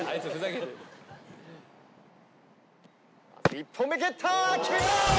１本目蹴った！